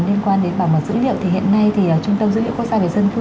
liên quan đến bảo mật dữ liệu thì hiện nay thì trung tâm dữ liệu quốc gia về dân cư